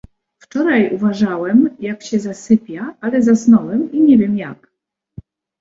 "Wczoraj uważałem, jak się zasypia, ale zasnąłem i nie wiem, jak."